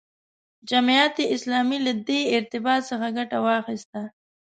جماعت اسلامي له دې ارتباط څخه ګټه واخیسته.